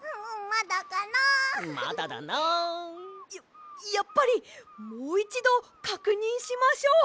まだだな。ややっぱりもういちどかくにんしましょう！